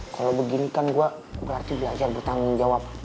kalau begini kan gue berarti belajar bertanggung jawab